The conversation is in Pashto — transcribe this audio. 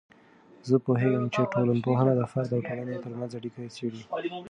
زه پوهیږم چې ټولنپوهنه د فرد او ټولنې ترمنځ اړیکه څیړي.